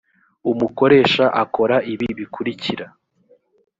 umukoresha akora ibi bikurikira